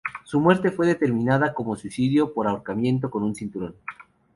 Su muerte fue determinada como suicidio por ahorcamiento con un cinturón.